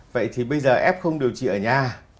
vậy thì bây giờ f điều trị ở nhà